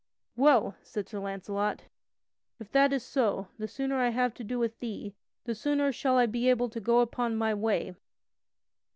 "Well," said Sir Launcelot, "if that is so, the sooner I have to do with thee, the sooner shall I be able to go upon my way."